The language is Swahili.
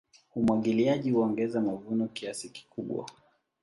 Umwagiliaji huongeza mavuno kiasi kikubwa.